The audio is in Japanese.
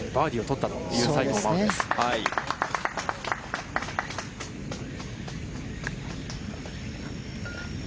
難関の１２番で、バーディーを取ったという西郷真央です。